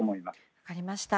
分かりました。